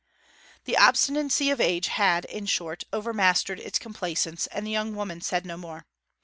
The obstinacy of age had, in short, overmastered its complaisance, and the young woman said no more.